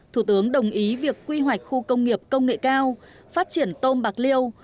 thủ tướng đồng ý việc quy hoạch khu công nghiệp công nghệ cao phát triển tôm bạc liêu